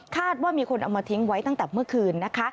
ว่ามีคนเอามาทิ้งไว้ตั้งแต่เมื่อคืนนะคะ